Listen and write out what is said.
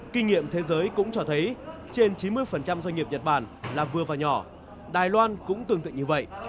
kinh nghiệm thế giới cũng cho thấy trên chín mươi doanh nghiệp nhật bản là vừa và nhỏ đài loan cũng tương tự như vậy